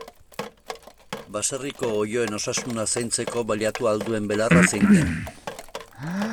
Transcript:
Baserriko oiloen osasuna zaintzeko baliatu ahal duen belarra zein den.